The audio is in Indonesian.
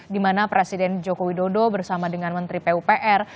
di mana presiden joko widodo bersama dengan menteri pupr